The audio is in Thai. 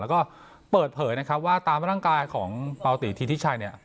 แล้วก็เปิดเผยนะครับว่าตามร่างกายของปาวตีธิชัยเนี่ย